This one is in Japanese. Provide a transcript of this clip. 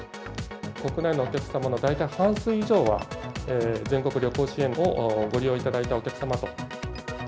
国内のお客様の大体半数以上は、全国旅行支援をご利用いただいたお客様と。